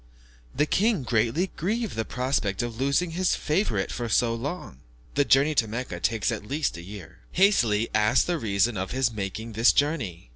The king, greatly grieved at the prospect of losing his favourite for so long (the journey to Mecca takes at least a year), hastily asked the reason of his making this journey.